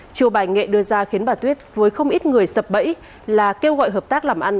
chiều bài nghệ đưa ra khiến bà tuyết với không ít người sập bẫy là kêu gọi hợp tác làm ăn